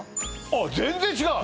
あ全然違う！